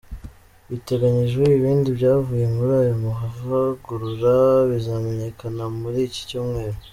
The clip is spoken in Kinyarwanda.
Biteganyijwe ibindi byavuye muri aya mavugurura bizamenyekana muri iki cyumweru.